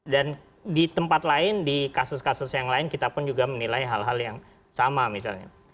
dan di tempat lain di kasus kasus yang lain kita pun juga menilai hal hal yang sama misalnya